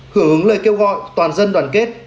hưởng hứng lời kêu gọi toàn dân đoàn kết